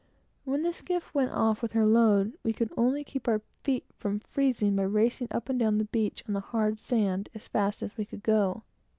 When the skiff went off with her load, we could only keep our feet from freezing by racing up and down the beach on the hard sand, as fast as we could go.